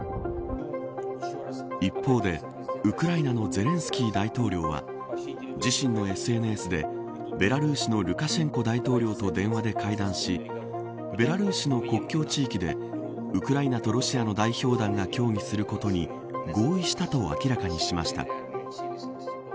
一方で、ウクライナのゼレンスキー大統領は自身のＳＮＳでベラルーシのルカシェンコ大統領と電話で会談しベラルーシの国境地域でウクライナとロシアの代表団が協議することに合意したと明らかにしました。